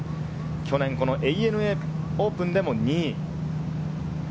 去年、このＡＮＡオープンでも２位。